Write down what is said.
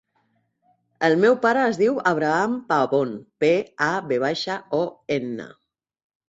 El meu pare es diu Abraham Pavon: pe, a, ve baixa, o, ena.